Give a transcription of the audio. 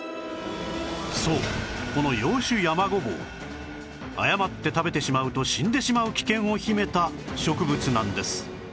そうこのヨウシュヤマゴボウ誤って食べてしまうと死んでしまう危険を秘めた植物なんです